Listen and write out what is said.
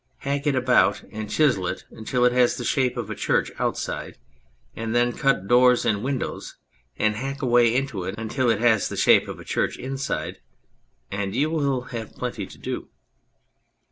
Hack it about and chisel it until it has the shape of a church outside, and then cut doors and windows and hack away into it until it has the shape of a church inside, and you will have plenty to do."